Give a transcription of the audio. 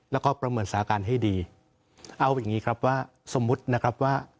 แล้วก็ประเมินสถานการณ์ให้ดีเอาอย่างงี้ครับว่าสมมุตินะครับว่า